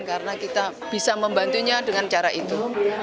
karena kita bisa membantunya dengan cara itu